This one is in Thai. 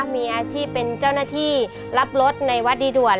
มีอาชีพเป็นเจ้าหน้าที่รับรถในวัดดีด่วน